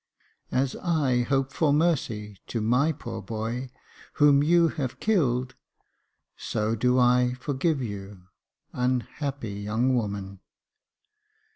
" As I hope for mercy to my poor boy, whom you have killed, so do I forgive you, unhappy young woman."